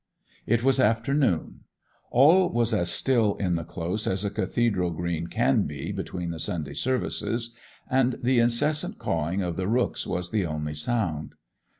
It was afternoon. All was as still in the Close as a cathedral green can be between the Sunday services, and the incessant cawing of the rooks was the only sound.